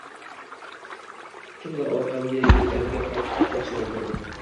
Kimdir orqamda yelkamga qoqib tinchlantirdi.